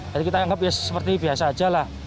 jadi kita anggap ya seperti biasa aja lah